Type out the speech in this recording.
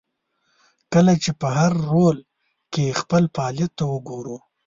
کله چې په هر رول کې خپل فعالیت ته وګورو.